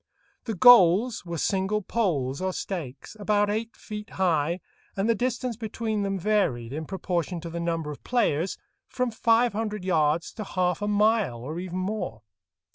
The goals were single poles or stakes, about eight feet high, and the distance between them varied, in proportion to the number of players, from five hundred yards to half a mile, or even more.